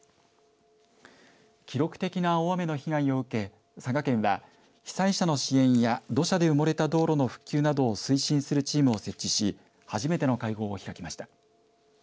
記録的な大雨の被害を受け佐賀県は被災者の支援や土砂で埋もれた道路の復旧などを推進するチームを設置し初めての会合を開きました。